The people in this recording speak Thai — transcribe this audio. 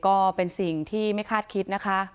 ก็เป็นสิ่งที่ไม่คาดคิดนะคะ